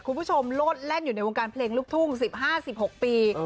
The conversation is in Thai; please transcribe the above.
คุณผู้ชมโลดแล่นอยู่ในวงการเพลงลูกทุ่ง๑๕๑๖ปี